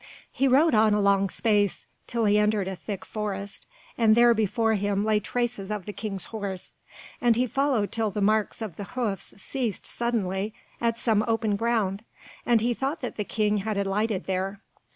He rode on a long space, till he entered a thick forest, and there before him lay traces of the King's horse, and he followed till the marks of the hoofs ceased suddenly at some open ground and he thought that the King had alighted there.